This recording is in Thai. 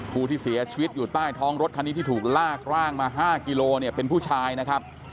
ผู้ที่เสียชีวิตอยู่ใต้ท้องรถคันนี้ที่ถูกลากร่างมา๕กิโลเนี่ยเป็นผู้ชายนะครับ